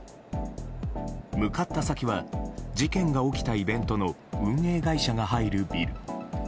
向かった先は事件が起きたイベントの運営会社が入るビル。